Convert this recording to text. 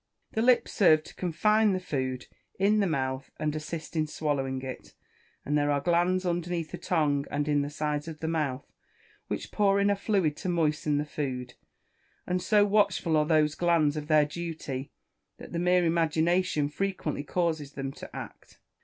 The lips serve to confine the food in the mouth, and assist in swallowing it, and there are glands underneath the tongue, and in the sides of the mouth, which pour in a fluid to moisten the food. And so watchful are those glands of their duty, that the mere imagination frequently causes them to act.